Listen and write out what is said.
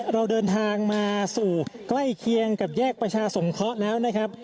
เราเดินทางมาสู่ใกล้เคียงกับแยกประชาสงเคราะห์แล้วนะครับ